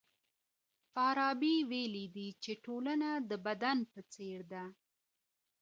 فارابي ويلي دي چي ټولنه د بدن په څېر ده.